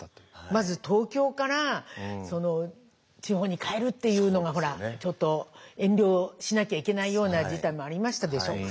まず東京から地方に帰るっていうのがちょっと遠慮しなきゃいけないような事態もありましたでしょ。